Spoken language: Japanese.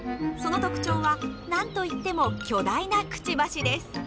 その特徴は何と言っても巨大なクチバシです。